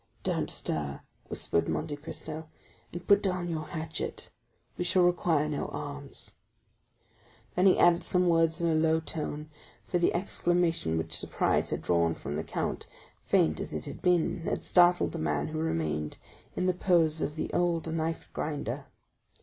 "Don't stir," whispered Monte Cristo, "and put down your hatchet; we shall require no arms." 40154m Then he added some words in a low tone, for the exclamation which surprise had drawn from the count, faint as it had been, had startled the man who remained in the pose of the old knife grinder.